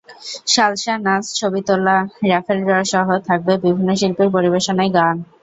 Salsa নাচ, ছবি তোলা, র্যাফল ড্রসহ থাকবে বিভিন্ন শিল্পীর পরিবেশনায় গান।